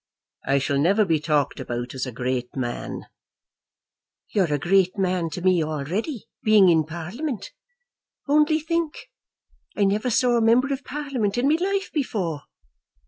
"I shall never be talked about as a great man." "You're a great man to me already, being in Parliament. Only think; I never saw a member of Parliament in my life before."